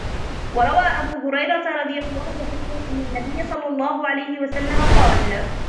وَرَوَى أَبُو هُرَيْرَةَ رَضِيَ اللَّهُ عَنْهُ أَنَّ النَّبِيَّ صَلَّى اللَّهُ عَلَيْهِ وَسَلَّمَ قَالَ